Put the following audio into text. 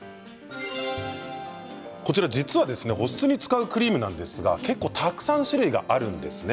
実は保湿に使うクリームなんですが、結構たくさん種類があるんですね。